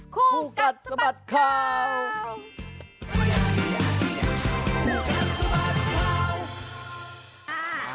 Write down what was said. คู่กัดสะบัดข่าว